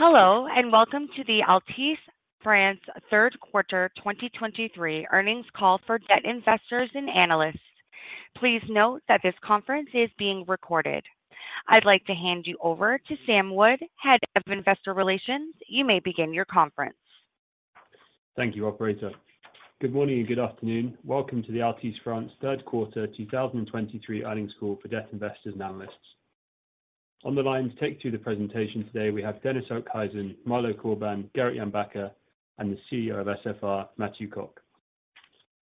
Hello, and welcome to the Altice France third quarter 2023 earnings call for debt investors and analysts. Please note that this conference is being recorded. I'd like to hand you over to Sam Wood, Head of Investor Relations. You may begin your conference. Thank you, operator. Good morning and good afternoon. Welcome to the Altice France third quarter 2023 earnings call for debt investors and analysts. On the line to take you through the presentation today, we have Dennis Okhuijsen, Malo Corbin, Gerrit Jan Bakker, and the CEO of SFR, Mathieu Cocq.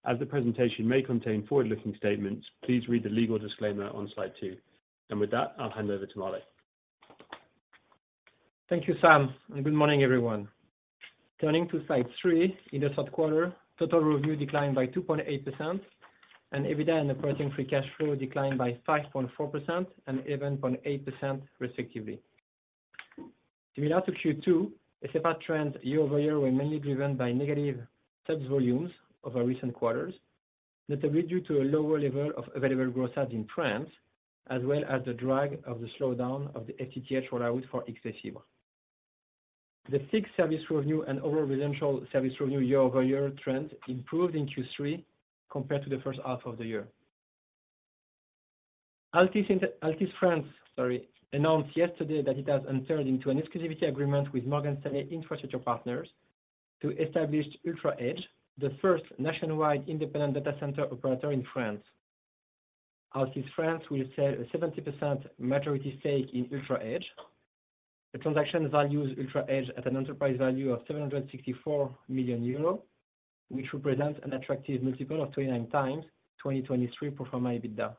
As the presentation may contain forward-looking statements, please read the legal disclaimer on slide 2. And with that, I'll hand over to Malo. Thank you, Sam, and good morning, everyone. Turning to slide 3, in the third quarter, total revenue declined by 2.8%, and EBITDA and operating free cash flow declined by 5.4% and 7.8%, respectively. Similar to Q2, SFR trends year-over-year were mainly driven by negative subs volumes over recent quarters, notably due to a lower level of available growth rates in France, as well as the drag of the slowdown of the FTTH rollout for XSSIB. The fixed service revenue and overall residential service revenue year-over-year trends improved in Q3 compared to the first half of the year. Altice in the, Altice France, sorry, announced yesterday that it has entered into an exclusivity agreement with Morgan Stanley Infrastructure Partners to establish UltraEdge, the first nationwide independent data center operator in France. Altice France will sell a 70% majority stake in UltraEdge. The transaction values UltraEdge at an enterprise value of 764 million euros, which represents an attractive multiple of 29x 2023 pro forma EBITDA.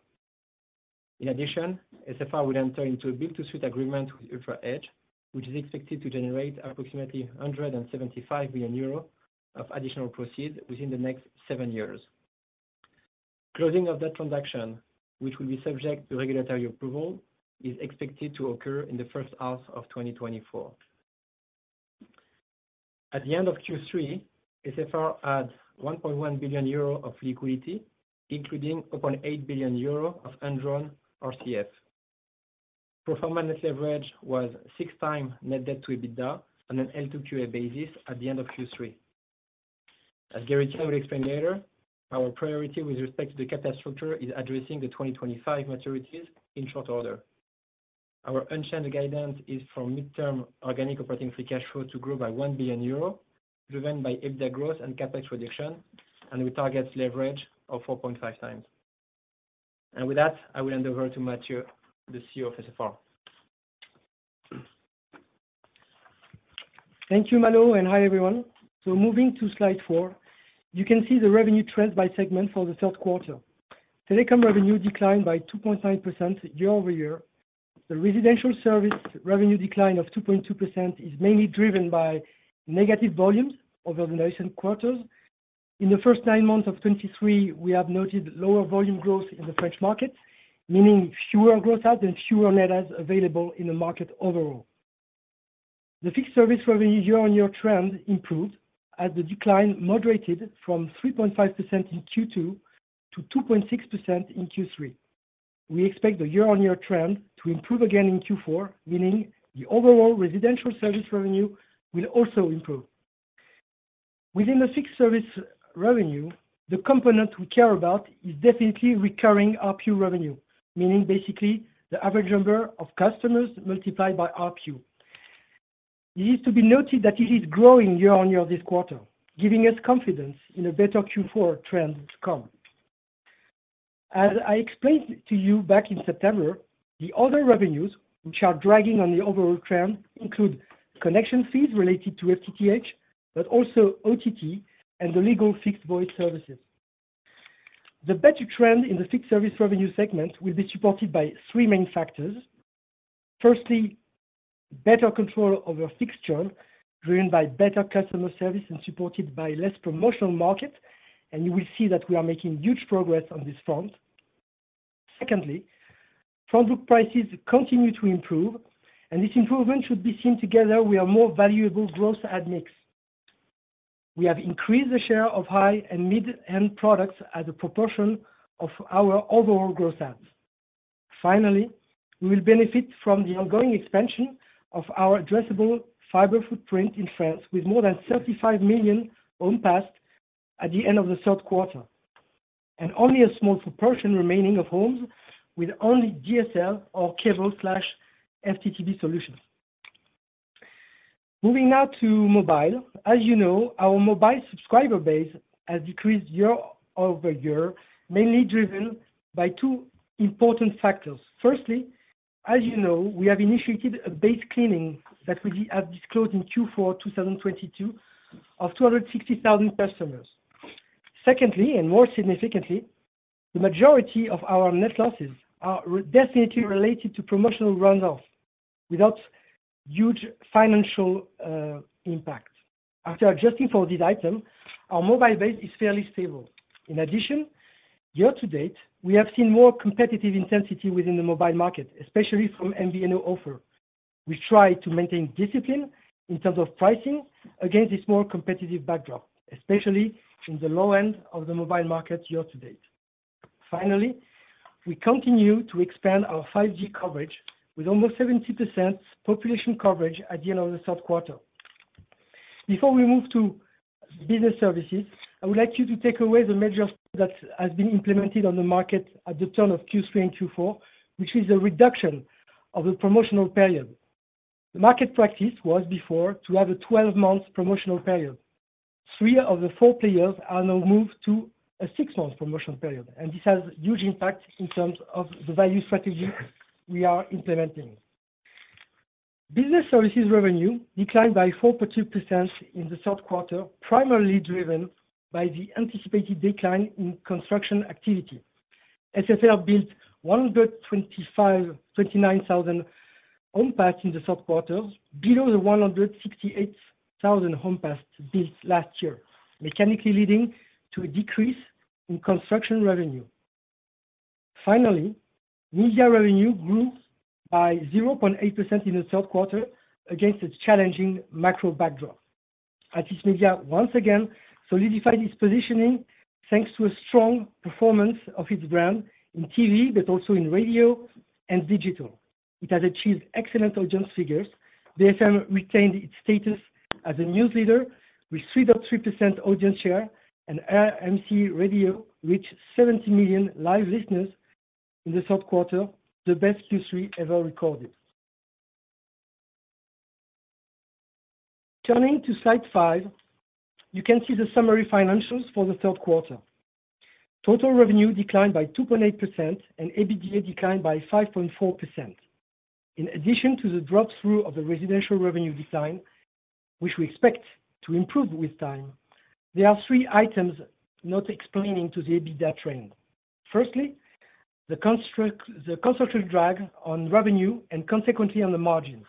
In addition, SFR would enter into a build-to-suit agreement with UltraEdge, which is expected to generate approximately 175 million euros of additional proceeds within the next 7 years. Closing of that transaction, which will be subject to regulatory approval, is expected to occur in the first half of 2024. At the end of Q3, SFR had 1.1 billion euro of liquidity, including 8 billion euro of undrawn RCF. Pro forma net leverage was 6x net debt to EBITDA on an L2QA basis at the end of Q3. As Gerrit will explain later, our priority with respect to the capital structure is addressing the 2025 maturities in short order. Our unchanged guidance is for midterm organic operating free cash flow to grow by 1 billion euro, driven by EBITDA growth and CapEx reduction, and we target leverage of 4.5 times. With that, I will hand over to Mathieu, the CEO of SFR. Thank you, Malo, and hi, everyone. So moving to slide 4, you can see the revenue trend by segment for the third quarter. Telecom revenue declined by 2.9% year-over-year. The residential service revenue decline of 2.2% is mainly driven by negative volumes over the recent quarters. In the first nine months of 2023, we have noted lower volume growth in the French market, meaning fewer growth adds and fewer net adds available in the market overall. The fixed service revenue year-on-year trend improved as the decline moderated from 3.5% in Q2 to 2.6% in Q3. We expect the year-on-year trend to improve again in Q4, meaning the overall residential service revenue will also improve. Within the fixed service revenue, the component we care about is definitely recurring ARPU revenue, meaning basically the average number of customers multiplied by ARPU. It is to be noted that it is growing year-on-year this quarter, giving us confidence in a better Q4 trend to come. As I explained to you back in September, the other revenues, which are dragging on the overall trend, include connection fees related to FTTH, but also OTT and the legal fixed voice services. The better trend in the fixed service revenue segment will be supported by three main factors. Firstly, better control over fixed term, driven by better customer service and supported by less promotional market, and you will see that we are making huge progress on this front. Secondly, front book prices continue to improve, and this improvement should be seen together with a more valuable growth add mix. We have increased the share of high and mid-end products as a proportion of our overall growth adds. Finally, we will benefit from the ongoing expansion of our addressable fiber footprint in France with more than 35 million homes passed at the end of the third quarter, and only a small proportion remaining of homes with only DSL or cable/FTTB solutions. Moving now to mobile. As you know, our mobile subscriber base has decreased year over year, mainly driven by two important factors. Firstly, as you know, we have initiated a base cleaning that we had disclosed in Q4 2022 of 260,000 customers. Secondly, and more significantly, the majority of our net losses are definitely related to promotional runoff without huge financial impact. After adjusting for this item, our mobile base is fairly stable. In addition, year to date, we have seen more competitive intensity within the mobile market, especially from MVNO offer. We try to maintain discipline in terms of pricing against this more competitive backdrop, especially in the low end of the mobile market year to date... Finally, we continue to expand our 5G coverage with almost 70% population coverage at the end of the third quarter. Before we move to business services, I would like you to take away the measure that has been implemented on the market at the turn of Q3 and Q4, which is a reduction of the promotional period. The market practice was before to have a 12-month promotional period. Three of the four players are now moved to a 6-month promotional period, and this has huge impact in terms of the value strategy we are implementing. Business services revenue declined by 4.2% in the third quarter, primarily driven by the anticipated decline in construction activity. SFR built 125,129 homes passed in the third quarter, below the 168,000 homes passed built last year, mechanically leading to a decrease in construction revenue. Finally, media revenue grew by 0.8% in the third quarter against its challenging macro backdrop. Altice Media once again solidified its positioning, thanks to a strong performance of its brand in TV, but also in radio and digital. It has achieved excellent audience figures. BFM retained its status as a news leader with 3.3% audience share, and RMC Radio reached 70 million live listeners in the third quarter, the best Q3 ever recorded. Turning to slide 5, you can see the summary financials for the third quarter. Total revenue declined by 2.8% and EBITDA declined by 5.4%. In addition to the drop-through of the residential revenue decline, which we expect to improve with time, there are three items not explaining to the EBITDA trend. Firstly, the construction drag on revenue and consequently on the margin.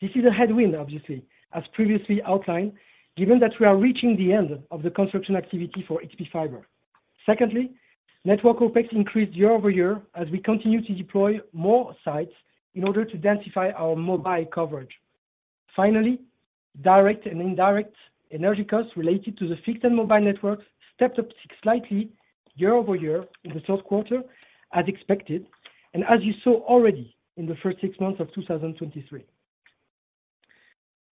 This is a headwind, obviously, as previously outlined, given that we are reaching the end of the construction activity for HP Fiber. Secondly, network OpEx increased year-over-year as we continue to deploy more sites in order to densify our mobile coverage. Finally, direct and indirect energy costs related to the fixed and mobile networks stepped up slightly year-over-year in the third quarter, as expected, and as you saw already in the first six months of 2023.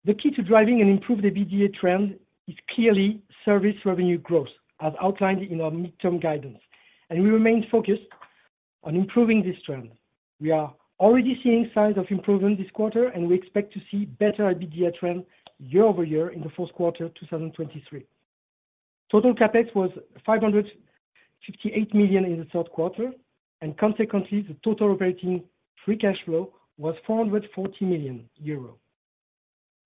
The key to driving an improved EBITDA trend is clearly service revenue growth, as outlined in our midterm guidance, and we remain focused on improving this trend. We are already seeing signs of improvement this quarter, and we expect to see better EBITDA trend year-over-year in the first quarter of 2023. Total CapEx was 558 million in the third quarter, and consequently, the total Operating Free Cash Flow was 440 million euro.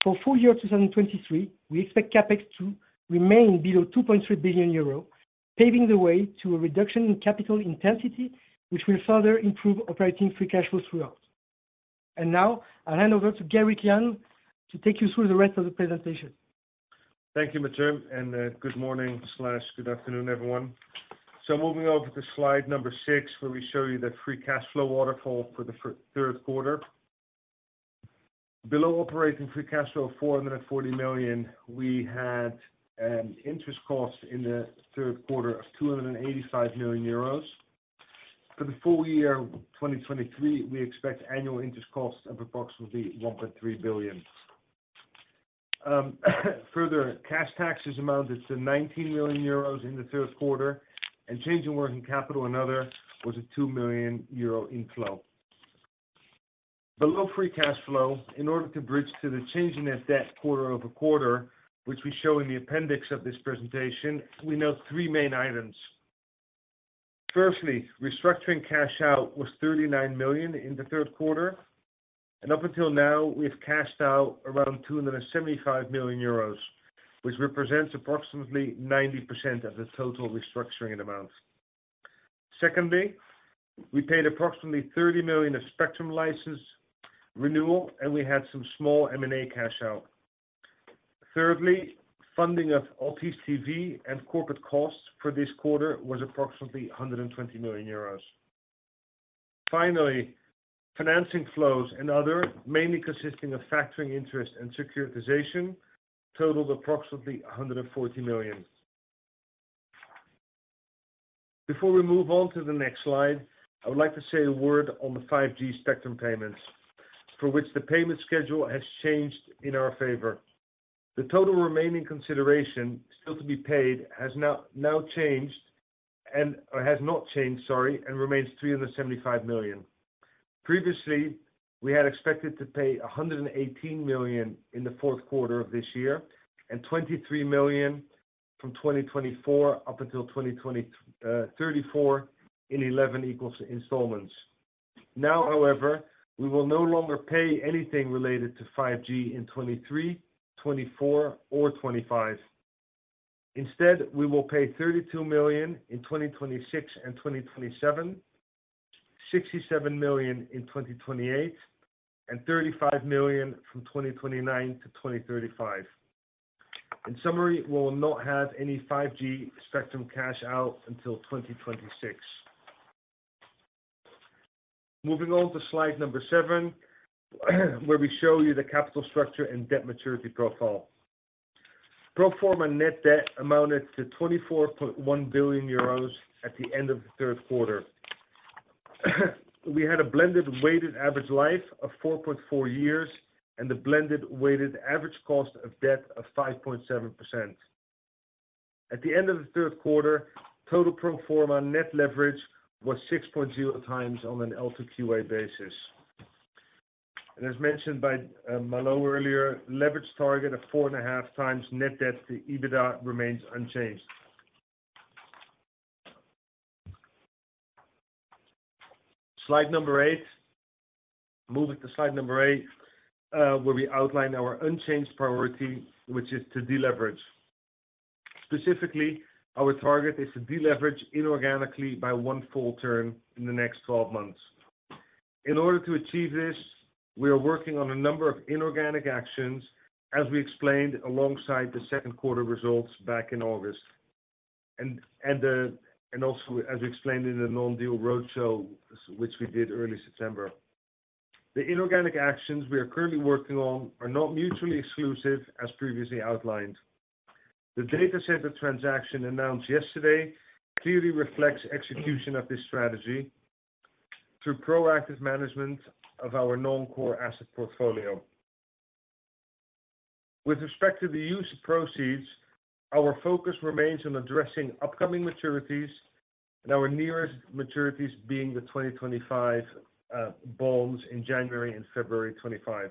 For full year 2023, we expect CapEx to remain below 2.3 billion euro, paving the way to a reduction in capital intensity, which will further improve Operating Free Cash Flow throughout. Now I'll hand over to Gerrit Jan to take you through the rest of the presentation. Thank you, Mathieu, and good morning/good afternoon, everyone. Moving over to slide 6, where we show you the free cash flow waterfall for the third quarter. Below operating free cash flow of 440 million, we had interest costs in the third quarter of 285 million euros. For the full year 2023, we expect annual interest costs of approximately 1.3 billion. Further, cash taxes amounted to 19 million euros in the third quarter, and change in working capital and other was a 2 million euro inflow. Below free cash flow, in order to bridge to the change in net debt quarter-over-quarter, which we show in the appendix of this presentation, we note 3 main items. Firstly, restructuring cash out was 39 million in the third quarter, and up until now, we've cashed out around 275 million euros, which represents approximately 90% of the total restructuring amount. Secondly, we paid approximately 30 million of spectrum license renewal, and we had some small M&A cash out. Thirdly, funding of Altice TV and corporate costs for this quarter was approximately 120 million euros. Finally, financing flows and other, mainly consisting of factoring interest and securitization, totaled approximately EUR 140 million. Before we move on to the next slide, I would like to say a word on the 5G spectrum payments, for which the payment schedule has changed in our favor. The total remaining consideration still to be paid has now changed, or has not changed, sorry, and remains 375 million. Previously, we had expected to pay 118 million in the fourth quarter of this year and 23 million from 2024 up until 2034 in eleven equal installments. Now, however, we will no longer pay anything related to 5G in 2023, 2024, or 2025. Instead, we will pay 32 million in 2026 and 2027, 67 million in 2028, and 35 million from 2029 to 2035. In summary, we will not have any 5G spectrum cash out until 2026. Moving on to slide 7, where we show you the capital structure and debt maturity profile. Pro forma net debt amounted to 24.1 billion euros at the end of the third quarter. We had a blended weighted average life of 4.4 years and the blended weighted average cost of debt of 5.7%. At the end of the third quarter, total pro forma net leverage was 6.0x on an L2QA basis. And as mentioned by Malo earlier, leverage target of 4.5x net debt to EBITDA remains unchanged. Slide number eight. Moving to slide number eight, where we outline our unchanged priority, which is to deleverage. Specifically, our target is to deleverage inorganically by one full term in the next 12 months. In order to achieve this, we are working on a number of inorganic actions, as we explained, alongside the second quarter results back in August. And also, as explained in the non-deal roadshow, which we did early September. The inorganic actions we are currently working on are not mutually exclusive, as previously outlined. The data center transaction announced yesterday clearly reflects execution of this strategy through proactive management of our non-core asset portfolio. With respect to the use of proceeds, our focus remains on addressing upcoming maturities, and our nearest maturities being the 2025, bonds in January and February 2025.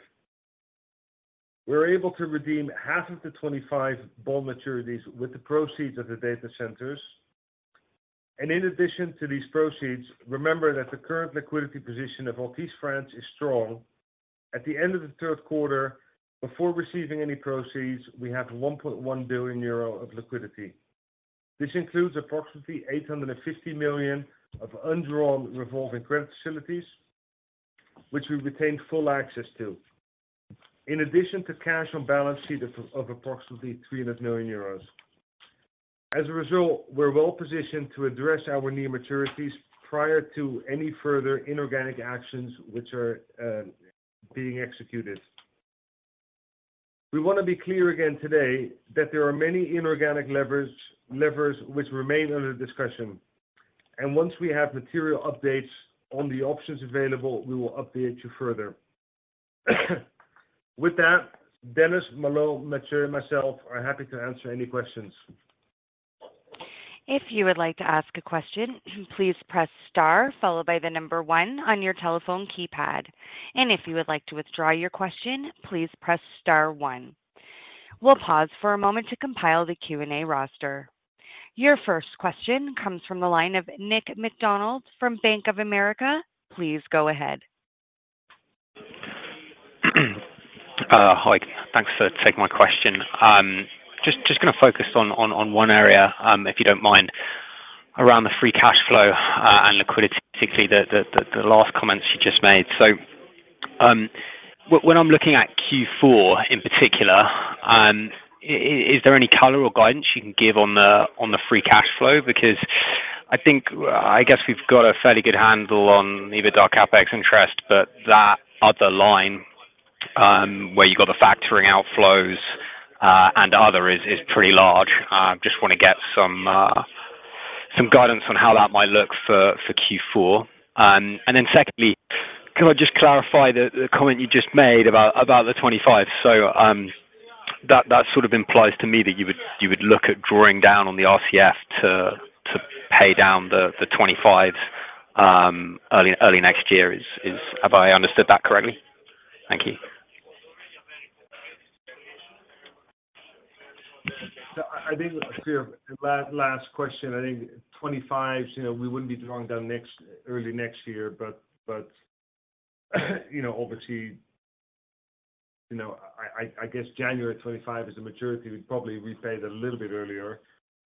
We're able to redeem half of the 2025 bond maturities with the proceeds of the data centers. In addition to these proceeds, remember that the current liquidity position of Altice France is strong. At the end of the third quarter, before receiving any proceeds, we had 1.1 billion euro of liquidity. This includes approximately 850 million of undrawn revolving credit facilities, which we've retained full access to, in addition to cash on balance sheet of approximately 300 million euros. As a result, we're well positioned to address our near maturities prior to any further inorganic actions which are being executed. We want to be clear again today that there are many inorganic levers, levers which remain under discussion, and once we have material updates on the options available, we will update you further. With that, Dennis, Malo, Mathieu, and myself are happy to answer any questions. If you would like to ask a question, please press star followed by the number 1 on your telephone keypad. If you would like to withdraw your question, please press star 1. We'll pause for a moment to compile the Q&A roster. Your first question comes from the line of Nick McDonald from Bank of America. Please go ahead. Hi, thanks for taking my question. Just going to focus on one area, if you don't mind, around the free cash flow and liquidity, particularly the last comments you just made. So, when I'm looking at Q4 in particular, is there any color or guidance you can give on the free cash flow? Because I think, I guess we've got a fairly good handle on EBITDA, CapEx, and interest, but that other line, where you got the factoring outflows and other is pretty large. Just want to get some guidance on how that might look for Q4. And then secondly, can I just clarify the comment you just made about the 25? That sort of implies to me that you would look at drawing down on the RCF to pay down the 25 early next year. Have I understood that correctly? Thank you. So I think your last question, I think 25s, you know, we wouldn't be drawing down early next year. But you know, obviously, you know, I guess January 2025 is the maturity, we'd probably repay it a little bit earlier.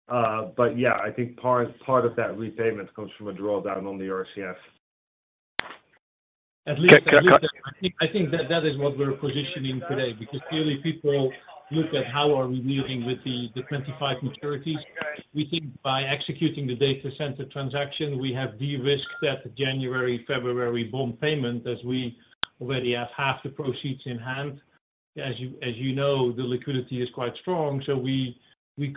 But yeah, I think part of that repayment comes from a drawdown on the RCF. At least I think, I think that is what we're positioning today, because clearly people look at how we are dealing with the 25 maturities. We think by executing the data center transaction, we have de-risked that January, February bond payment, as we already have half the proceeds in hand. As you know, the liquidity is quite strong, so we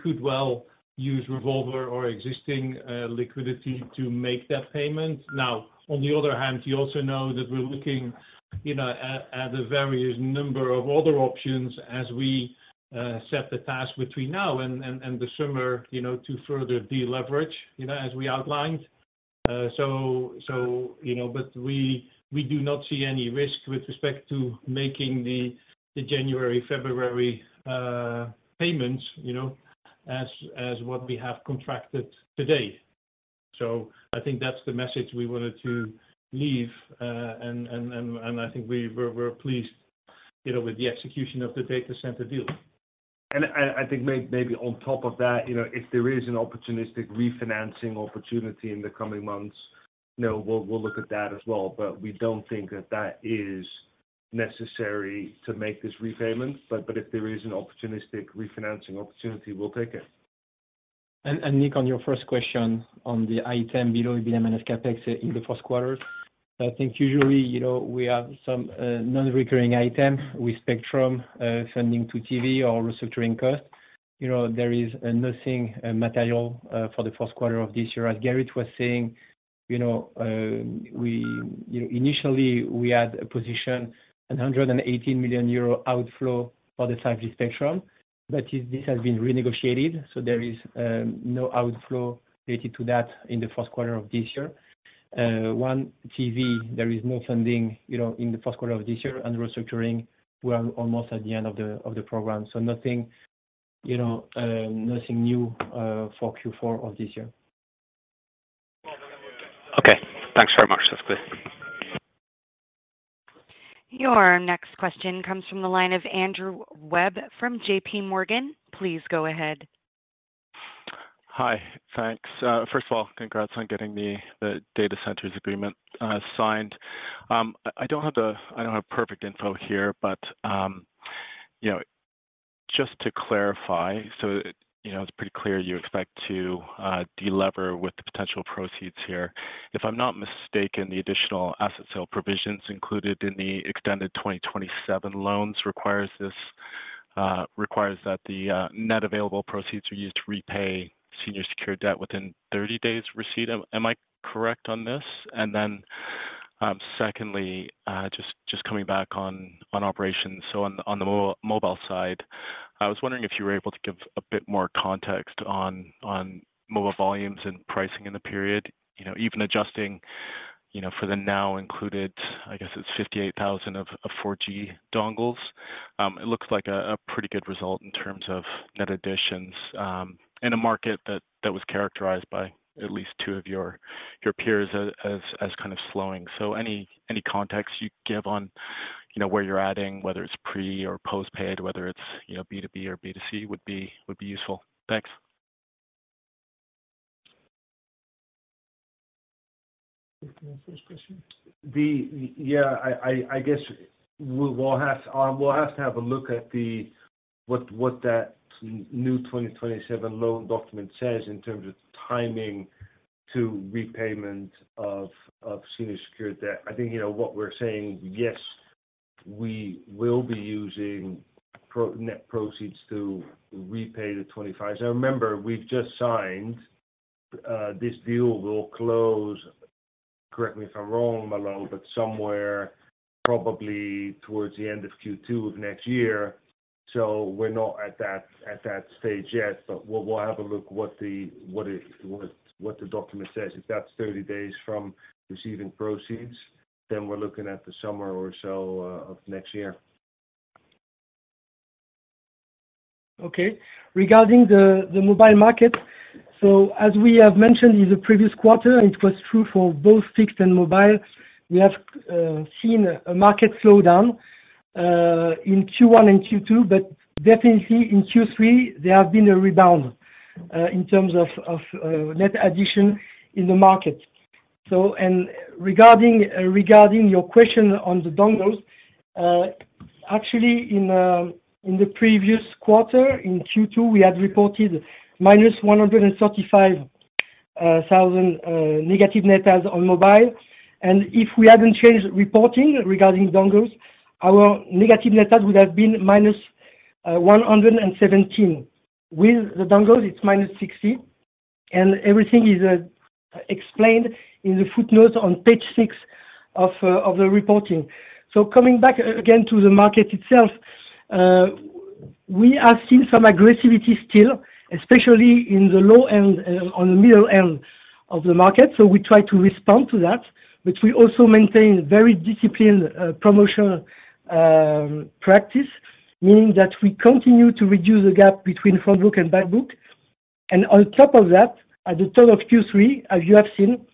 could well use revolver or existing liquidity to make that payment. Now, on the other hand, you also know that we're looking, you know, at the various number of other options as we set the task between now and the summer, you know, to further deleverage, you know, as we outlined. So, you know, but we do not see any risk with respect to making the January, February payments, you know, as what we have contracted today. So I think that's the message we wanted to leave, and I think we're pleased, you know, with the execution of the data center deal. I think maybe on top of that, you know, if there is an opportunistic refinancing opportunity in the coming months, you know, we'll look at that as well, but we don't think that is necessary to make this repayment. But if there is an opportunistic refinancing opportunity, we'll take it.... And, Nick, on your first question, on the item below EBITDA and CapEx in the first quarter, I think usually, you know, we have some non-recurring item with spectrum sending to TV or restructuring costs. You know, there is nothing material for the first quarter of this year. As Gerrit was saying, you know, we, you know, initially, we had a position, 118 million euro outflow for the 5G spectrum, but this has been renegotiated, so there is no outflow related to that in the first quarter of this year. One, TV, there is no funding, you know, in the first quarter of this year, and restructuring, we are almost at the end of the program. So nothing, you know, nothing new for Q4 of this year. Okay. Thanks very much. That's clear. Your next question comes from the line of Andrew Webb from JP Morgan. Please go ahead. Hi. Thanks. First of all, congrats on getting the data centers agreement signed. I don't have perfect info here, but you know, just to clarify, so you know, it's pretty clear you expect to delever with the potential proceeds here. If I'm not mistaken, the additional asset sale provisions included in the extended 2027 loans requires this, requires that the net available proceeds are used to repay senior secured debt within 30 days receipt. Am I correct on this? And then, secondly, just coming back on operations. So on the mobile side, I was wondering if you were able to give a bit more context on mobile volumes and pricing in the period. You know, even adjusting, you know, for the now included, I guess it's 58,000 of 4G dongles. It looks like a pretty good result in terms of net additions in a market that was characterized by at least two of your peers as kind of slowing. So any context you'd give on, you know, where you're adding, whether it's pre- or post-paid, whether it's, you know, B2B or B2C, would be useful. Thanks. The first question. Yeah, I guess we'll have to have a look at what that new 2027 loan document says in terms of timing to repayment of senior secured debt. I think, you know, what we're saying, yes, we will be using net proceeds to repay the 25. Now, remember, we've just signed this deal will close, correct me if I'm wrong, Malo, but somewhere probably towards the end of Q2 of next year. So we're not at that stage yet, but we'll have a look what the document says. If that's 30 days from receiving proceeds, then we're looking at the summer or so of next year. Okay. Regarding the mobile market, so as we have mentioned in the previous quarter, it was true for both fixed and mobile. We have seen a market slowdown in Q1 and Q2, but definitely in Q3, there have been a rebound in terms of net addition in the market. So, regarding your question on the dongles, actually in the previous quarter, in Q2, we had reported minus 135,000 negative net adds on mobile. And if we hadn't changed reporting regarding dongles, our negative net add would have been minus 117. With the dongles, it's minus 60, and everything is explained in the footnote on page 6 of the reporting. So coming back again to the market itself, we are seeing some aggressivity still, especially in the low end and on the middle end of the market. So we try to respond to that, but we also maintain very disciplined, promotional, practice, meaning that we continue to reduce the gap between front book and back book. And on top of that, at the top of Q3, as you have seen,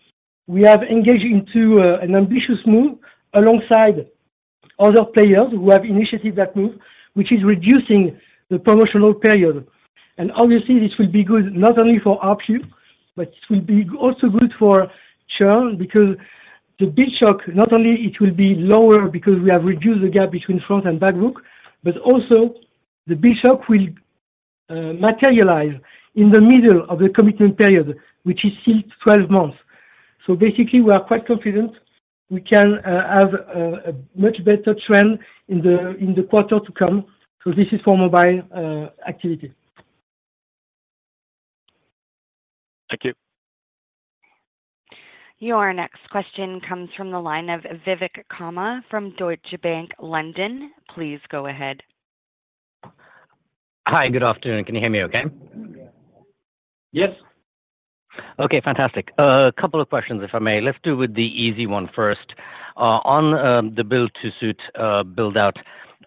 we have engaged into, an ambitious move alongside other players who have initiated that move, which is reducing the promotional period. Obviously, this will be good not only for our view, but it will be also good for churn because the bill shock, not only it will be lower because we have reduced the gap between front and back book, but also the bill shock will materialize in the middle of the commitment period, which is still 12 months. So basically, we are quite confident we can have a much better trend in the quarter to come. So this is for mobile activity. Thank you. Your next question comes from the line of Vivek Khanna from Deutsche Bank, London. Please go ahead. Hi, good afternoon. Can you hear me okay? Yes. Okay, fantastic. A couple of questions, if I may. Let's do with the easy one first. On the build to suit, build out,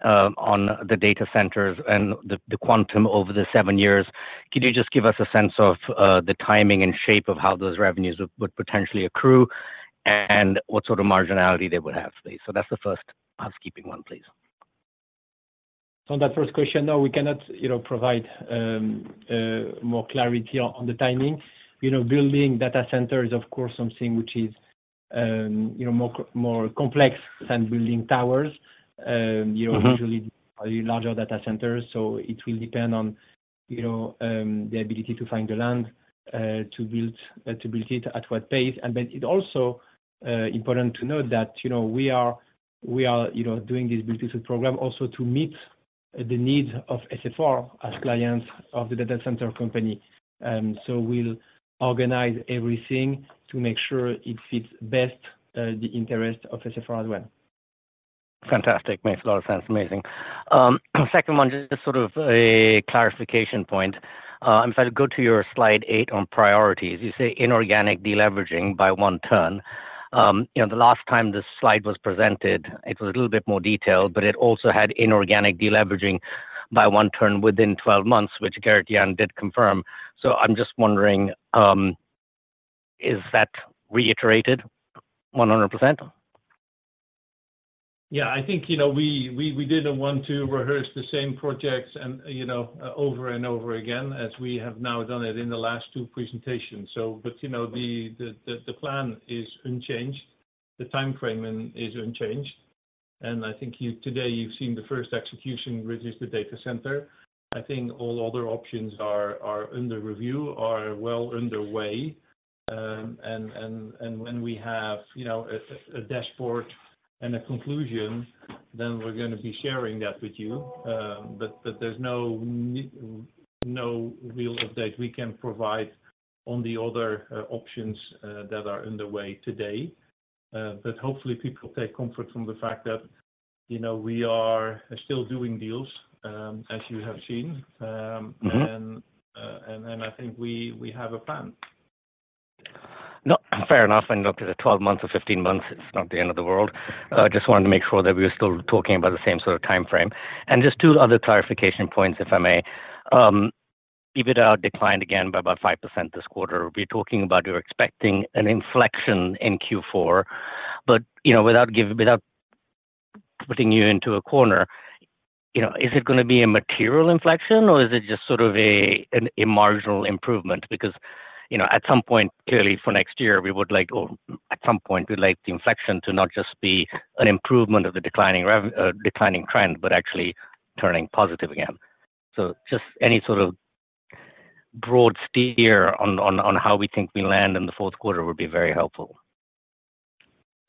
on the data centers and the quantum over the seven years, could you just give us a sense of the timing and shape of how those revenues would potentially accrue, and what sort of marginality they would have, please? So that's the first housekeeping one, please. On that first question, no, we cannot, you know, provide more clarity on the timing. You know, building data center is, of course, something which is-... you know, more complex than building towers. You know- Mm-hmm Usually, larger data centers, so it will depend on, you know, the ability to find the land, to build it, at what pace. And then it's also important to note that, you know, we are doing this build-to-suit program also to meet the needs of SFR as clients of the data center company. So we'll organize everything to make sure it fits best, the interest of SFR as well. Fantastic. Makes a lot of sense. Amazing. Second one, just sort of a clarification point. If I go to your slide 8 on priorities, you say inorganic deleveraging by 1 turn. You know, the last time this slide was presented, it was a little bit more detailed, but it also had inorganic deleveraging by 1 turn within 12 months, which Gerrit Jan Bakker did confirm. So I'm just wondering, is that reiterated 100%? Yeah, I think, you know, we didn't want to rehearse the same projects and, you know, over and over again, as we have now done it in the last two presentations. But, you know, the plan is unchanged, the time frame is unchanged. And I think you, today, you've seen the first execution, which is the data center. I think all other options are under review, are well underway. And when we have, you know, a dashboard and a conclusion, then we're gonna be sharing that with you. But there's no real update we can provide on the other options that are underway today. But hopefully, people take comfort from the fact that, you know, we are still doing deals, as you have seen. Mm-hmm... and I think we have a plan. No, fair enough. And look, at the 12 months or 15 months, it's not the end of the world. Just wanted to make sure that we were still talking about the same sort of timeframe. And just two other clarification points, if I may. EBITDA declined again by about 5% this quarter. We're talking about you're expecting an inflection in Q4, but, you know, without putting you into a corner, you know, is it gonna be a material inflection, or is it just sort of a marginal improvement? Because, you know, at some point, clearly for next year, we would like, or at some point, we'd like the inflection to not just be an improvement of the declining trend, but actually turning positive again. So just any sort of broad steer on how we think we land in the fourth quarter would be very helpful.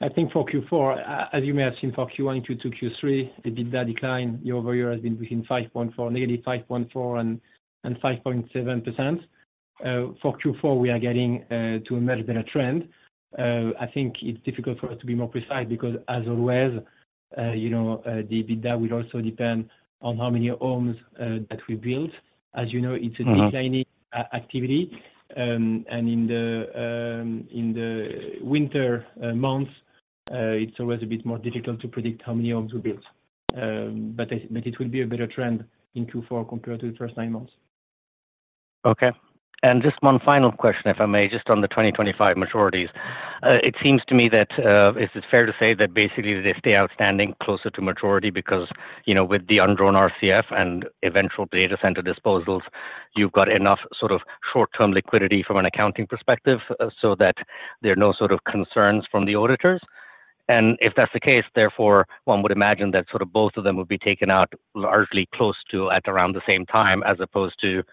I think for Q4, as you may have seen for Q1, Q2, Q3, the EBITDA decline year-over-year has been between 5.4, -5.4 and, and 5.7%. For Q4, we are getting to a much better trend. I think it's difficult for us to be more precise because, as always, you know, the EBITDA will also depend on how many homes that we build. As you know- Mm-hmm... it's a designing activity, and in the winter months, it's always a bit more difficult to predict how many homes we build. But it will be a better trend in Q4 compared to the first nine months. Okay. Just one final question, if I may, just on the 2025 maturities. It seems to me that is it fair to say that basically they stay outstanding closer to maturity because, you know, with the undrawn RCF and eventual data center disposals, you've got enough sort of short-term liquidity from an accounting perspective, so that there are no sort of concerns from the auditors. And if that's the case, therefore, one would imagine that sort of both of them would be taken out largely close to at around the same time, as opposed to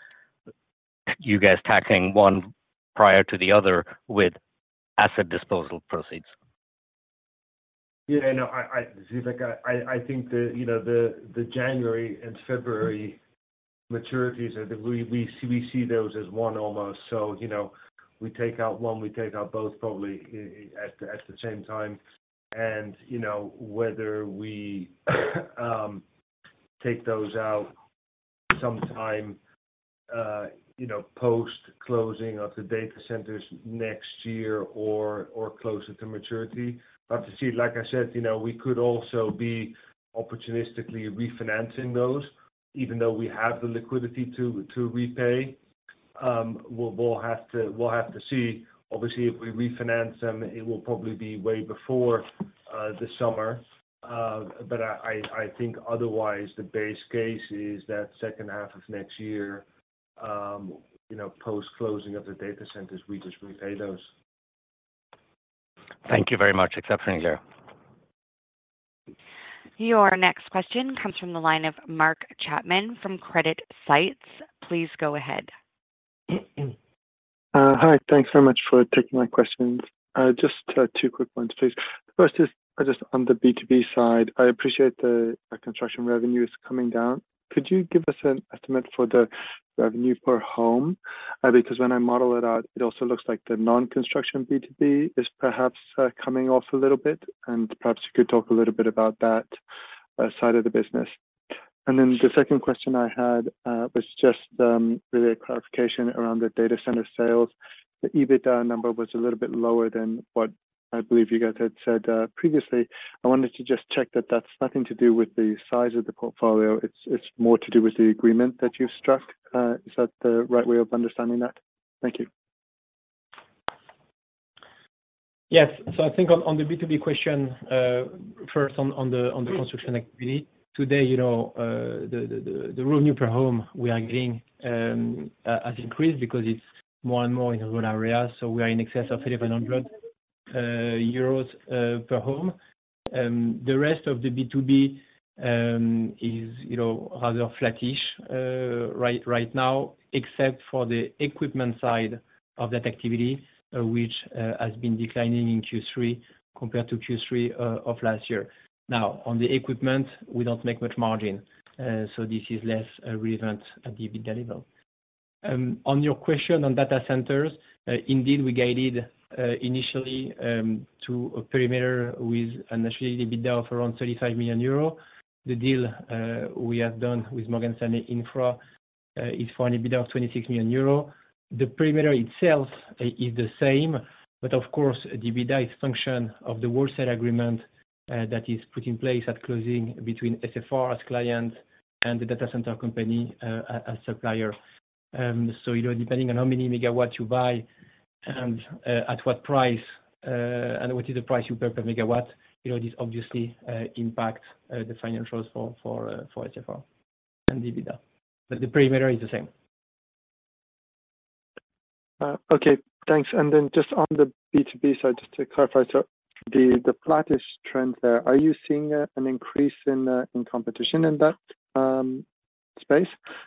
you guys tacking one prior to the other with asset disposal proceeds. Yeah, I know. I think the, you know, the January and February maturities are. We see those as one almost. So, you know, we take out one, we take out both probably at the same time. And, you know, whether we take those out sometime, you know, post-closing of the data centers next year or closer to maturity. But we'll see, like I said, you know, we could also be opportunistically refinancing those, even though we have the liquidity to repay. We'll have to see. Obviously, if we refinance them, it will probably be way before the summer. But I think otherwise, the base case is that second half of next year, you know, post-closing of the data centers, we just repay those. Thank you very much. Exceptional, clear. Your next question comes from the line of Mark Chapman from CreditSights. Please go ahead. Hi, thanks so much for taking my questions. Just two quick ones, please. First is, just on the B2B side, I appreciate the construction revenue is coming down. Could you give us an estimate for the revenue per home? Because when I model it out, it also looks like the non-construction B2B is perhaps coming off a little bit, and perhaps you could talk a little bit about that side of the business. And then the second question I had was just really a clarification around the data center sales. The EBITDA number was a little bit lower than what I believe you guys had said previously. I wanted to just check that that's nothing to do with the size of the portfolio, it's more to do with the agreement that you struck. Is that the right way of understanding that? Thank you. Yes. So I think on the B2B question, first on the construction activity, today, you know, the revenue per home we are getting has increased because it's more and more in rural areas, so we are in excess of 1,100 euros per home. The rest of the B2B is, you know, rather flattish, right now, except for the equipment side of that activity, which has been declining in Q3 compared to Q3 of last year. Now, on the equipment, we don't make much margin, so this is less relevant at the EBITDA level. On your question on data centers, indeed, we guided initially to a perimeter with an EBITDA of around 35 million euro. The deal, we have done with Morgan Stanley Infra, is for an EBITDA of 26 million euro. The perimeter itself is the same, but of course, EBITDA is function of the wholesale agreement, that is put in place at closing between SFR as client and the data center company, as, as supplier. So, you know, depending on how many megawatts you buy and, at what price, and what is the price you pay per megawatt, you know, this obviously, impact, the financials for, for, for SFR and EBITDA. But the perimeter is the same. Okay, thanks. And then just on the B2B side, just to clarify, so the flattish trend there, are you seeing an increase in competition in that space?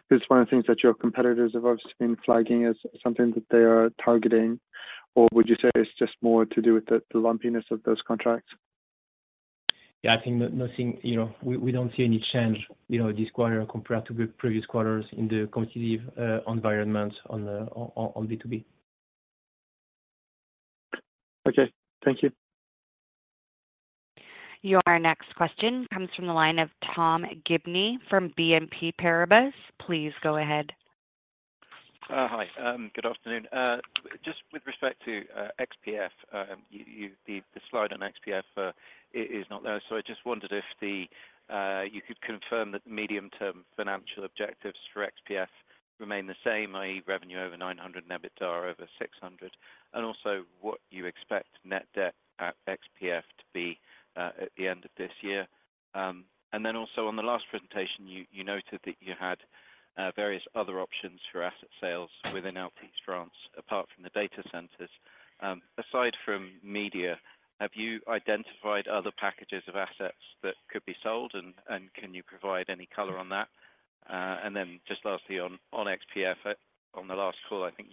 This is one of the things that your competitors have obviously been flagging as something that they are targeting, or would you say it's just more to do with the lumpiness of those contracts? Yeah, I think nothing, you know, we don't see any change, you know, this quarter compared to the previous quarters in the competitive environment on B2B. Okay, thank you. Your next question comes from the line of Tom Gibney from BNP Paribas. Please go ahead. Hi. Good afternoon. Just with respect to XPF, the slide on XPF is not there. So I just wondered if you could confirm that the medium-term financial objectives for XPF remain the same, i.e., revenue over 900 and EBITDA over 600, and also what you expect net debt at XPF to be at the end of this year. And then also on the last presentation, you noted that you had various other options for asset sales within Altice France, apart from the data centers. Aside from media, have you identified other packages of assets that could be sold, and can you provide any color on that? And then just lastly, on XPF, on the last call, I think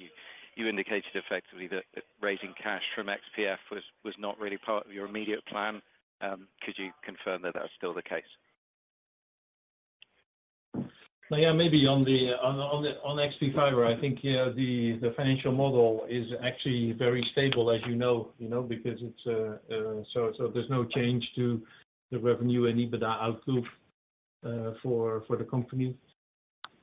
you indicated effectively that raising cash from XPF was not really part of your immediate plan. Could you confirm that that's still the case? Yeah, maybe on the XP Fiber, I think, yeah, the financial model is actually very stable, as you know, because it's so, there's no change to the revenue and EBITDA outlook for the company.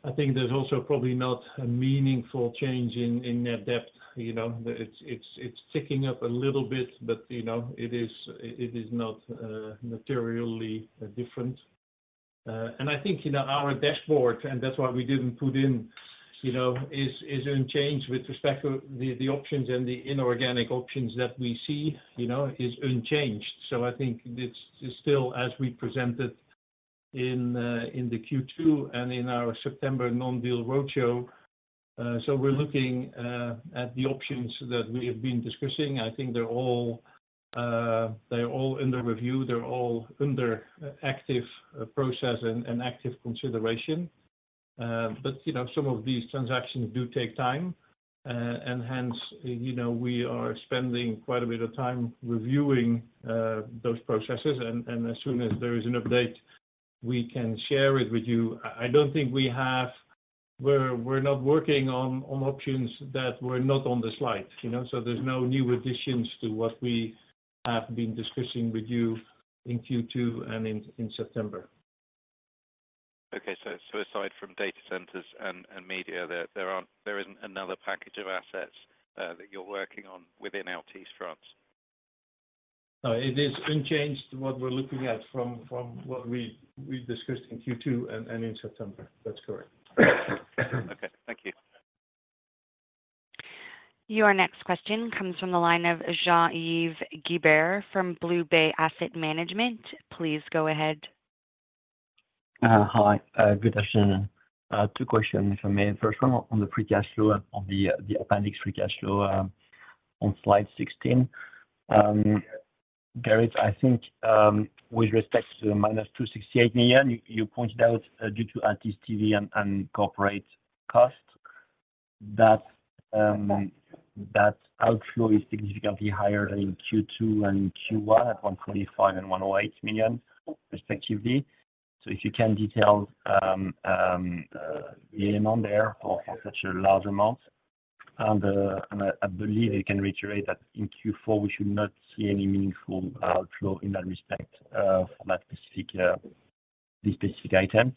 I think there's also probably not a meaningful change in net debt, you know, it's ticking up a little bit, but you know, it is not materially different. And I think, you know, our dashboard, and that's why we didn't put in, you know, is unchanged with respect to the options and the inorganic options that we see, you know, is unchanged. So I think it's still as we presented in the Q2 and in our September non-deal roadshow. So we're looking at the options that we have been discussing. I think they're all, they're all under review, they're all under active process and, and active consideration. But, you know, some of these transactions do take time, and hence, you know, we are spending quite a bit of time reviewing, those processes, and, and as soon as there is an update, we can share it with you. I don't think we have-- we're, we're not working on, on options that were not on the slide, you know, so there's no new additions to what we have been discussing with you in Q2 and in, in September. Okay. So aside from data centers and media, there isn't another package of assets that you're working on within Altice France? No, it is unchanged, what we're looking at from what we discussed in Q2 and in September. That's correct. Okay, thank you. Your next question comes from the line of Jean-Yves Guibert from BlueBay Asset Management. Please go ahead. Hi, good afternoon. Two questions, if I may. First one on the free cash flow, on the appendix free cash flow, on slide 16. There is, I think, with respect to -268 million, you pointed out, due to Altice TV and corporate costs, that outflow is significantly higher than in Q2 and Q1 at 125 million and 108 million respectively. So if you can detail the amount there for such a large amount, and I believe you can reiterate that in Q4, we should not see any meaningful outflow in that respect, for that specific item.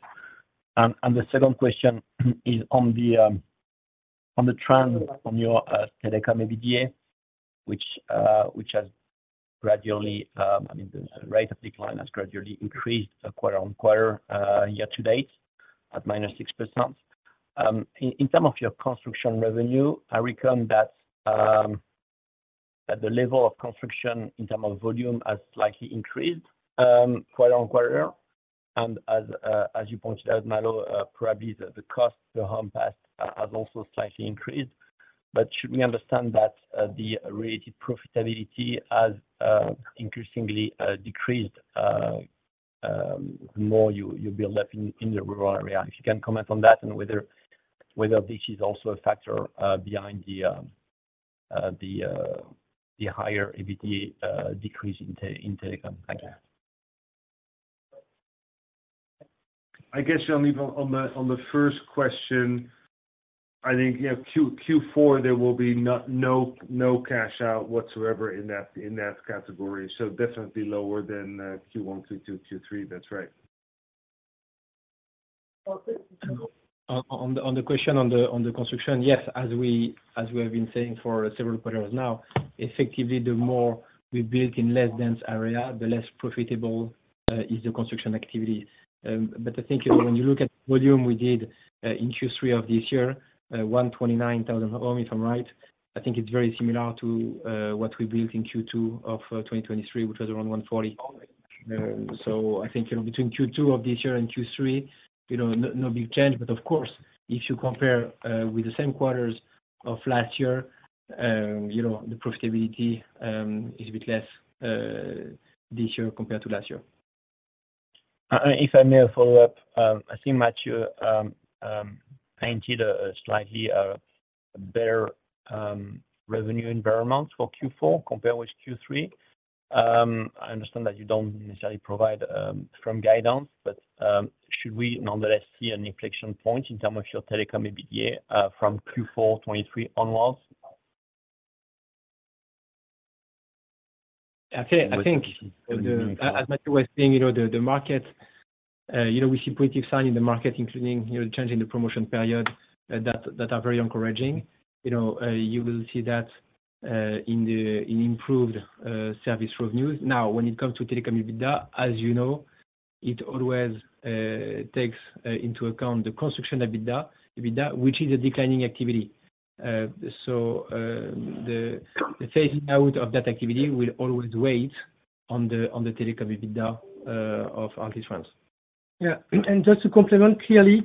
The second question is on the trend on your Telecom EBITDA, which has gradually, I mean, the rate of decline has gradually increased quarter-on-quarter, year to date, at -6%. In terms of your construction revenue, I reckon that the level of construction in terms of volume has slightly increased quarter-on-quarter, and as you pointed out, Malo, probably the cost per home passed has also slightly increased. But should we understand that the related profitability has increasingly decreased the more you build up in the rural area? If you can comment on that and whether this is also a factor behind the higher EBITDA decrease in telecom? Thank you. I guess, Jean-Mira, on the first question, I think, yeah, Q4, there will be no, no, no cash out whatsoever in that category. So definitely lower than Q1, Q2, Q3. That's right. On the question on the construction, yes. As we have been saying for several quarters now, effectively, the more we build in less dense area, the less profitable is the construction activity. But I think, you know, when you look at volume we did in Q3 of this year, 129,000, if I'm right, I think it's very similar to what we built in Q2 of 2023, which was around 140. So I think, you know, between Q2 of this year and Q3, you know, no big change. But of course, if you compare with the same quarters of last year, you know, the profitability is a bit less this year compared to last year. If I may follow up, I think Mathieu painted a slightly better revenue environment for Q4 compared with Q3. I understand that you don't necessarily provide firm guidance, but should we nonetheless see an inflection point in terms of your telecom EBITDA from Q4 2023 onwards? I think as Mathieu was saying, you know, the market, you know, we see positive sign in the market, including, you know, changing the promotion period, that are very encouraging. You know, you will see that in the improved service revenues. Now, when it comes to telecom EBITDA, as you know, it always takes into account the construction EBITDA, which is a declining activity. So, the phasing out of that activity will always wait on the telecom EBITDA of Altice France. Yeah. And just to complement, clearly,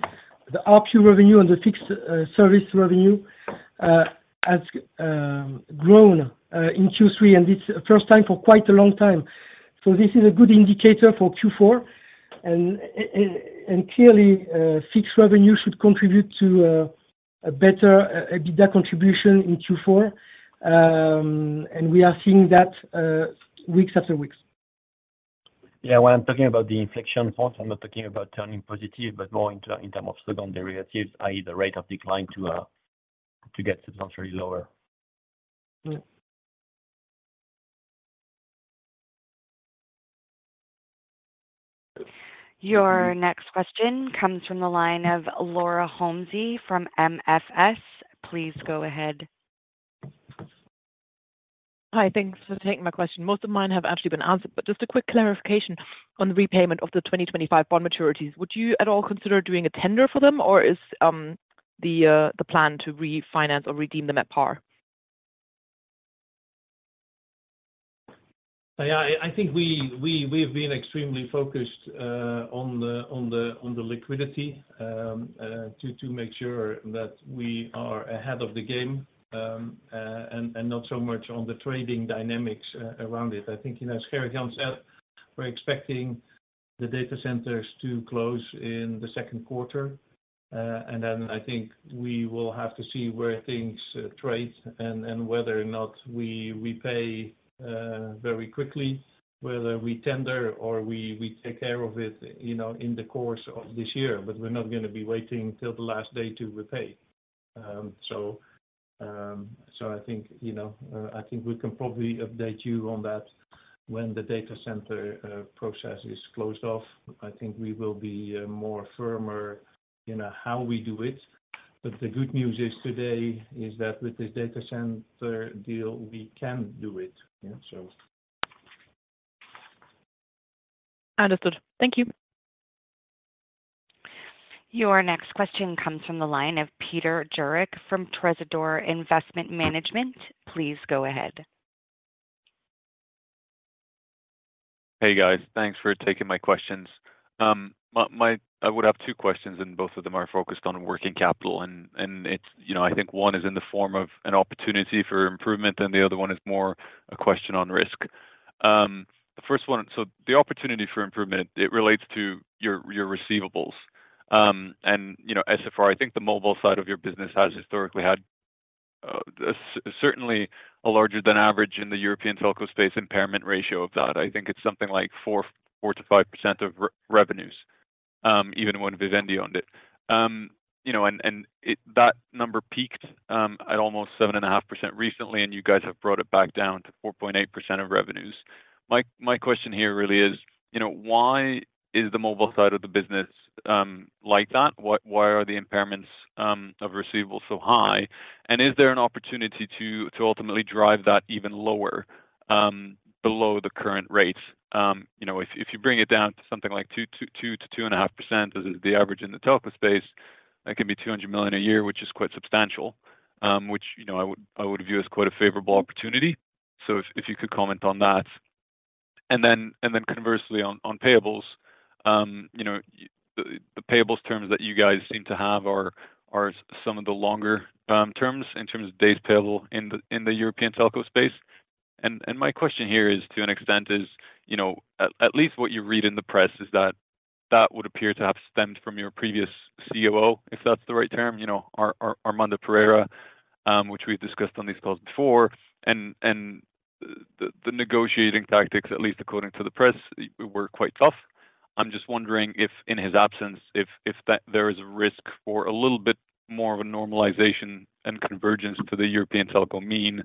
the ARPU revenue and the fixed service revenue has grown in Q3, and it's the first time for quite a long time. So this is a good indicator for Q4, and clearly, fixed revenue should contribute to a better EBITDA contribution in Q4. And we are seeing that, weeks after weeks. Yeah, when I'm talking about the inflection force, I'm not talking about turning positive, but more in terms of second derivatives, i.e., the rate of decline to get substantially lower. Yeah. Your next question comes from the line of Laura Homsy from MFS. Please go ahead. Hi, thanks for taking my question. Most of mine have actually been answered, but just a quick clarification on the repayment of the 2025 bond maturities. Would you at all consider doing a tender for them, or is the plan to refinance or redeem them at par? Yeah, I think we've been extremely focused on the liquidity to make sure that we are ahead of the game, and not so much on the trading dynamics around it. I think, you know, as Gerrit-Jan said, we're expecting the data centers to close in the second quarter, and then I think we will have to see where things trade and whether or not we pay very quickly, whether we tender or we take care of it, you know, in the course of this year. But we're not gonna be waiting till the last day to repay. So I think, you know, I think we can probably update you on that when the data center process is closed off. I think we will be more firmer in how we do it. But the good news is today is that with this data center deal, we can do it. Yeah, so. Understood. Thank you. Your next question comes from the line of Peter Jurik from Tresidor Investment Management. Please go ahead. Hey, guys. Thanks for taking my questions. I would have two questions, and both of them are focused on working capital. It's, you know, I think one is in the form of an opportunity for improvement, and the other one is more a question on risk. The first one, so the opportunity for improvement, it relates to your receivables. You know, as far, I think the mobile side of your business has historically had certainly a larger than average in the European telco space impairment ratio of that. I think it's something like 4%-5% of revenues, even when Vivendi owned it. You know, and it, that number peaked at almost 7.5% recently, and you guys have brought it back down to 4.8% of revenues. My question here really is, you know, why is the mobile side of the business like that? Why are the impairments of receivables so high? And is there an opportunity to ultimately drive that even lower below the current rates? You know, if you bring it down to something like 2%-2.5%, as is the average in the telco space. That can be 200 million a year, which is quite substantial, which, you know, I would view as quite a favorable opportunity. So if you could comment on that. Then conversely, on payables, you know, the payables terms that you guys seem to have are some of the longer terms in terms of days payable in the European telco space. And my question here is, to an extent, you know, at least what you read in the press is that that would appear to have stemmed from your previous COO, if that's the right term, you know, Armando Pereira, which we've discussed on these calls before. And the negotiating tactics, at least according to the press, were quite tough. I'm just wondering if, in his absence, if that there is a risk for a little bit more of a normalization and convergence to the European telco mean,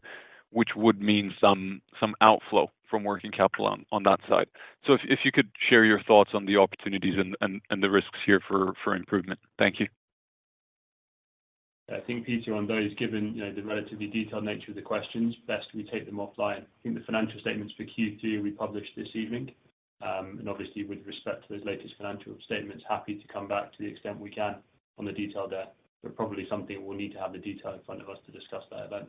which would mean some outflow from working capital on that side. If you could share your thoughts on the opportunities and the risks here for improvement. Thank you. I think, Peter, on those, given, you know, the relatively detailed nature of the questions, best we take them offline. I think the financial statements for Q2 we published this evening. And obviously, with respect to those latest financial statements, happy to come back to the extent we can on the detail there. But probably something we'll need to have the detail in front of us to discuss that event.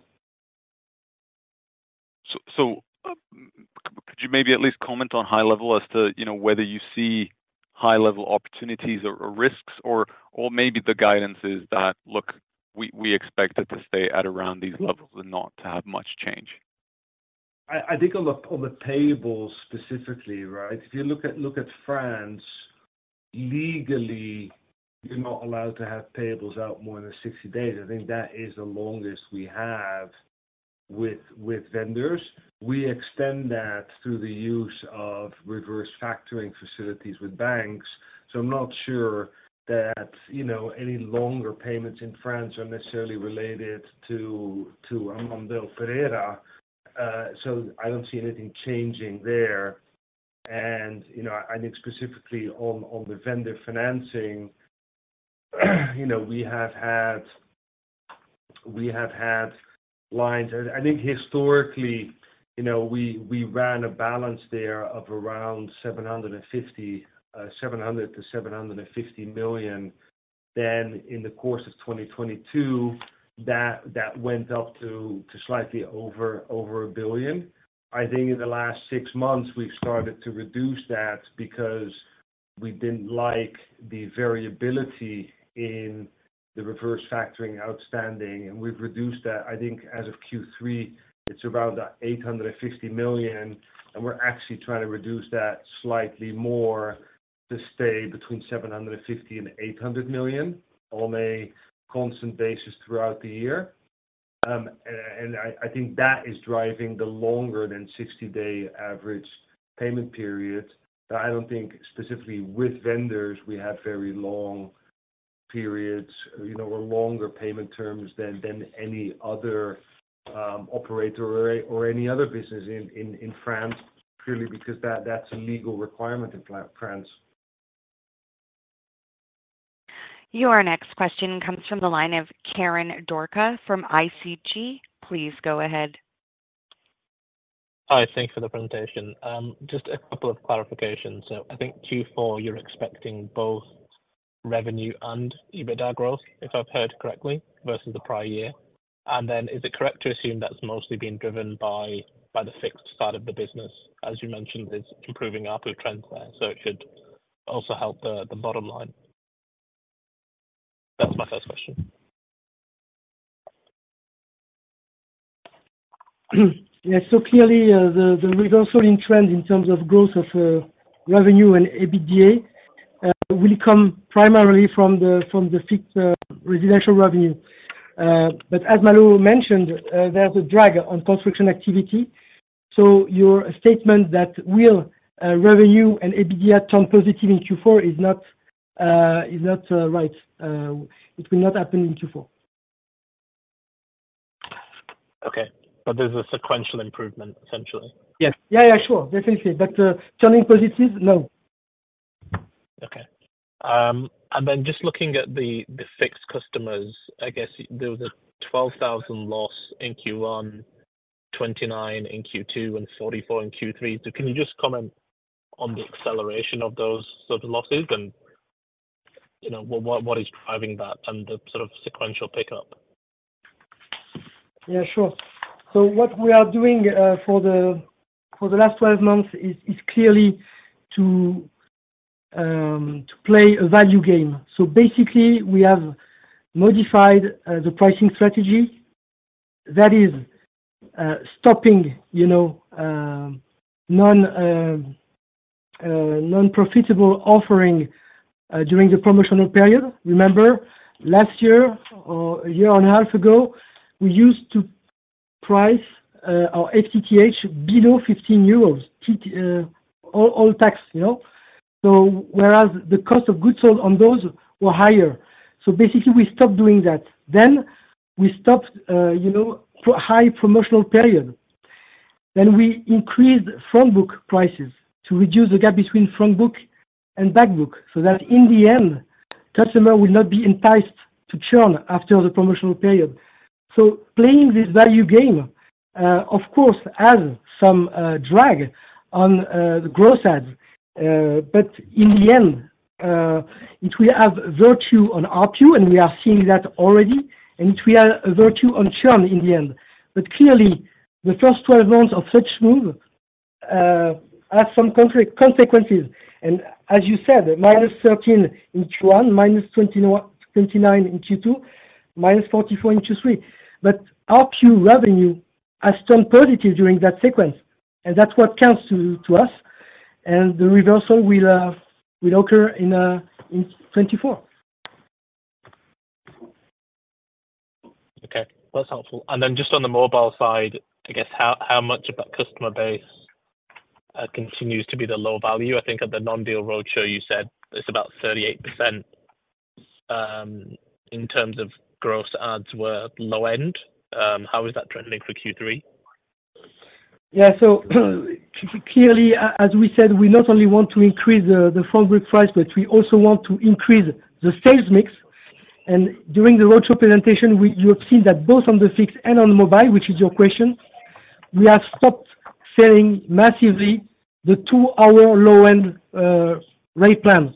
So, could you maybe at least comment on high-level as to, you know, whether you see high-level opportunities or, or risks, or, or maybe the guidance is that, "Look, we, we expect it to stay at around these levels and not to have much change? I think on the payables specifically, right? If you look at France, legally, you're not allowed to have payables out more than 60 days. I think that is the longest we have with vendors. We extend that through the use of reverse factoring facilities with banks, so I'm not sure that, you know, any longer payments in France are necessarily related to Armando Pereira. So I don't see anything changing there. And, you know, I think specifically on the vendor financing, you know, we have had lines. And I think historically, you know, we ran a balance there of around 750, 700 to 750 million. Then in the course of 2022, that went up to slightly over a billion. I think in the last six months, we've started to reduce that because we didn't like the variability in the reverse factoring outstanding, and we've reduced that. I think as of Q3, it's around 850 million, and we're actually trying to reduce that slightly more to stay between 750 million and 800 million on a constant basis throughout the year. And I think that is driving the longer than 60-day average payment period. I don't think specifically with vendors, we have very long periods, you know, or longer payment terms than any other operator or any other business in France, purely because that's a legal requirement in France. Your next question comes from the line of Karen Dorka from ICG. Please go ahead. Hi, thank you for the presentation. Just a couple of clarifications. So I think Q4, you're expecting both revenue and EBITDA growth, if I've heard correctly, versus the prior year. And then is it correct to assume that's mostly being driven by, by the fixed side of the business, as you mentioned, is improving ARPU trends there, so it should also help the, the bottom line? That was my first question. Yeah. So clearly, the reversal in trend in terms of growth of revenue and EBITDA will come primarily from the fixed residential revenue. But as Malo mentioned, there's a drag on construction activity, so your statement that revenue and EBITDA turn positive in Q4 is not right. It will not happen in Q4. Okay. But there's a sequential improvement, essentially? Yes. Yeah, yeah, sure. Definitely. But, turning positive? No. Okay. And then just looking at the fixed customers, I guess there was a 12,000 loss in Q1, 29,000 in Q2, and 44,000 in Q3. So can you just comment on the acceleration of those sort of losses and, you know, what is driving that and the sort of sequential pickup? Yeah, sure. So what we are doing, for the last 12 months is clearly to play a value game. So basically, we have modified the pricing strategy. That is, stopping, you know, non-profitable offering during the promotional period. Remember, last year, or a year and a half ago, we used to price our FTTH below 15 euros, all tax, you know? So whereas the cost of goods sold on those were higher. So basically, we stopped doing that. Then we stopped, you know, high promotional period. Then we increased frontbook prices to reduce the gap between frontbook and backbook, so that in the end, customer will not be enticed to churn after the promotional period.... So playing this value game, of course, has some, drag on, the growth ads. But in the end, it will have virtue on ARPU, and we are seeing that already, and it will have a virtue on churn in the end. But clearly, the first 12 months of such move, has some consequences. And as you said, -13 in Q1, -29 in Q2, -44 in Q3. But ARPU revenue has turned positive during that sequence, and that's what counts to, to us, and the reversal will, will occur in, in 2024. Okay, that's helpful. And then just on the mobile side, I guess, how, how much of that customer base continues to be the low value? I think at the non-deal roadshow, you said it's about 38%, in terms of gross adds were low end. How is that trending for Q3? Yeah, so clearly, as we said, we not only want to increase the front book price, but we also want to increase the sales mix. And during the roadshow presentation, you have seen that both on the fixed and on the mobile, which is your question, we have stopped selling massively the 2-hour low-end rate plan.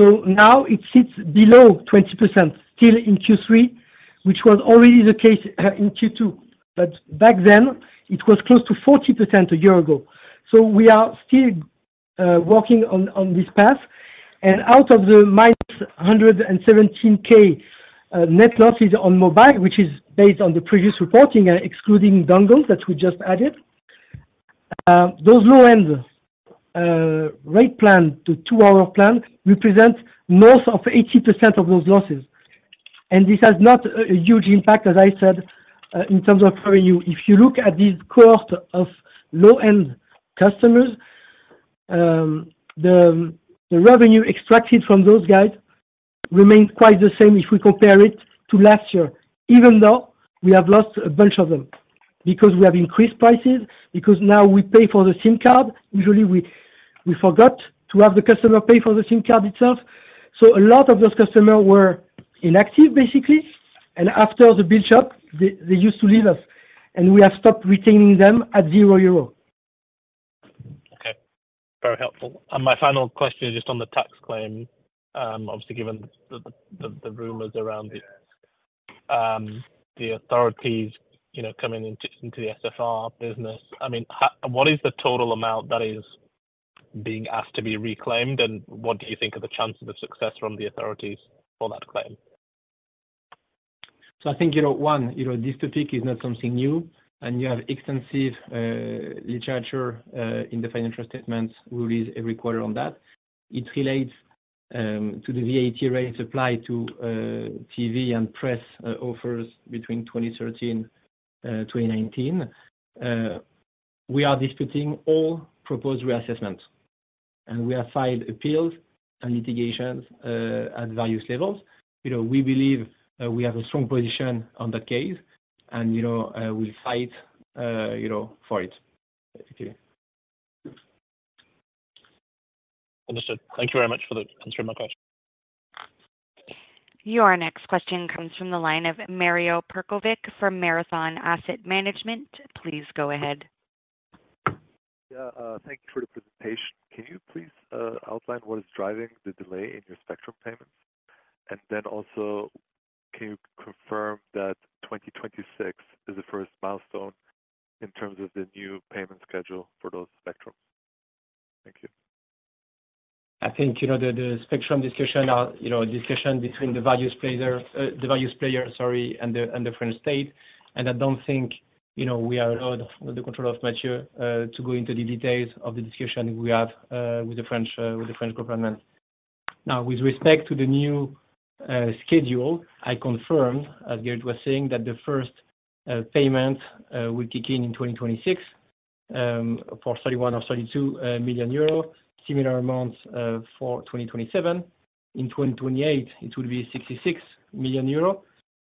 So now it sits below 20%, still in Q3, which was already the case in Q2. But back then, it was close to 40% a year ago. So we are still working on this path. And out of the -117K net losses on mobile, which is based on the previous reporting, excluding dongles that we just added, those low-end rate plan, the 2-hour plan, represent most of 80% of those losses. This has not a huge impact, as I said, in terms of revenue. If you look at this cost of low-end customers, the revenue extracted from those guys remains quite the same if we compare it to last year, even though we have lost a bunch of them because we have increased prices, because now we pay for the SIM card. Usually, we forgot to have the customer pay for the SIM card itself. So a lot of those customers were inactive, basically, and after the bill shock, they used to leave us, and we have stopped retaining them at 0 euro. Okay. Very helpful. My final question is just on the tax claim, obviously, given the rumors around it. The authorities, you know, coming into the SFR business, I mean, what is the total amount that is being asked to be reclaimed, and what do you think are the chances of success from the authorities for that claim? So I think, you know, one, you know, this topic is not something new, and you have extensive literature in the financial statements. We read every quarter on that. It relates to the VAT rates applied to TV and press offers between 2013 and 2019. We are disputing all proposed reassessments, and we have filed appeals and litigations at various levels. You know, we believe we have a strong position on that case, and, you know, we'll fight for it, basically. Understood. Thank you very much for answering my question. Your next question comes from the line of Mario Perkovic from Marathon Asset Management. Please go ahead. Yeah, thank you for the presentation. Can you please outline what is driving the delay in your spectrum payments? And then also, can you confirm that 2026 is the first milestone in terms of the new payment schedule for those spectrum? Thank you. I think, you know, the spectrum discussion are a discussion between the value players, sorry, and the French state. And I don't think, you know, we are allowed, with the control of Mathieu, to go into the details of the discussion we have with the French government. Now, with respect to the new schedule, I confirm, as Gerd was saying, that the first payment will kick in in 2026 for 31 million or 32 million euros. Similar amounts for 2027. In 2028, it will be 66 million euros,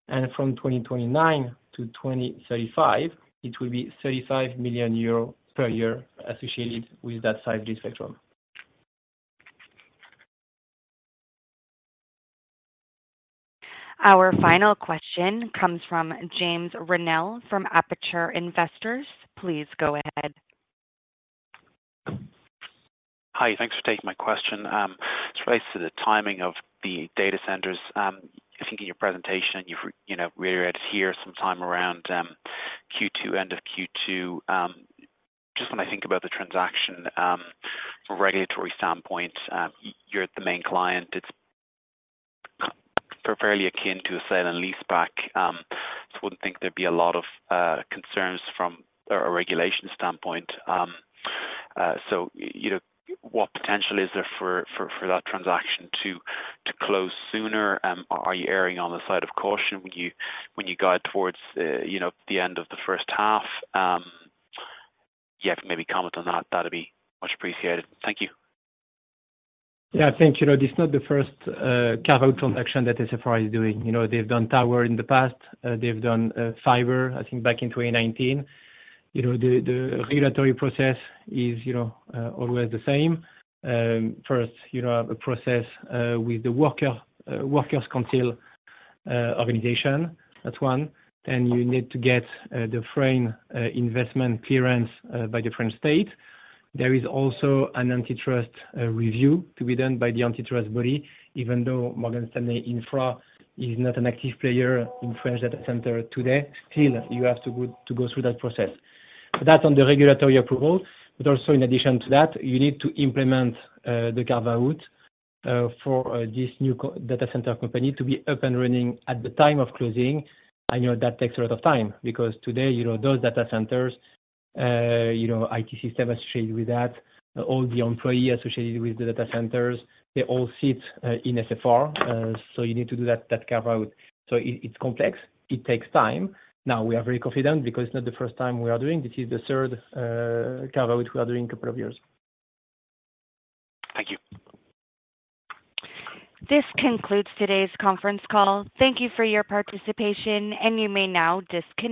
and from 2029 to 2035, it will be 35 million euros per year associated with that 5G spectrum. Our final question comes from James Reynell from Aperture Investors. Please go ahead. Hi, thanks for taking my question. It relates to the timing of the data centers. I think in your presentation, you know, some time around Q2, end of Q2. Just when I think about the transaction, from a regulatory standpoint, you're the main client. It's fairly akin to a sale and lease back. So I wouldn't think there'd be a lot of concerns from a regulatory standpoint. So you know, what potential is there for that transaction to close sooner? Are you erring on the side of caution when you guide towards you know, the end of the first half? Yeah, if you maybe comment on that, that'd be much appreciated. Thank you. Yeah, I think, you know, this is not the first carve-out transaction that SFR is doing. You know, they've done tower in the past, they've done fiber, I think, back in 2019. You know, the regulatory process is, you know, always the same. First, you have a process with the workers council organization. That's one. And you need to get the foreign investment clearance by the French state. There is also an antitrust review to be done by the antitrust body, even though Morgan Stanley Infra is not an active player in French data center today. Still, you have to go through that process. That's on the regulatory approval, but also in addition to that, you need to implement the carve-out for this new data center company to be up and running at the time of closing. I know that takes a lot of time because today, you know, those data centers, you know, IT systems associated with that, all the employees associated with the data centers, they all sit in SFR. So you need to do that, that carve-out. So it, it's complex, it takes time. Now, we are very confident because it's not the first time we are doing this. This is the third carve-out we are doing a couple of years. Thank you. This concludes today's conference call. Thank you for your participation, and you may now disconnect.